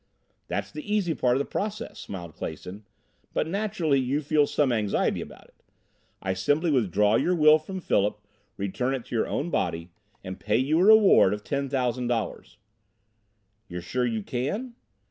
"That's the easy part of the process," smiled Clason; "but naturally you feel some anxiety about it. I simply withdraw your will from Philip, return it to your own body, and pay you a reward of ten thousand dollars." "You're sure you can?"